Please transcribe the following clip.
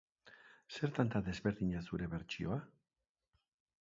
Zertan da desberdina zuen bertsioa?